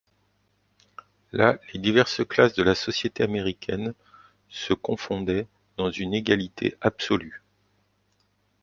Là, les diverses classes de la société américaine se confondaient dans une égalité absolue.